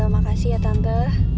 iya tante makasih ya tante